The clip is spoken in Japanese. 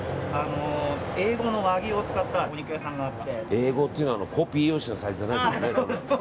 Ａ５っていうのはコピー用紙のサイズじゃそうですね。